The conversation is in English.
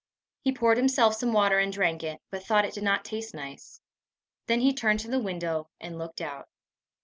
He poured himself some water and drank it, but thought it did not taste nice. Then he turned to the window, and looked out.